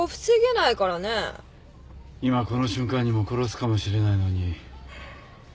今この瞬間にも殺すかもしれないのに。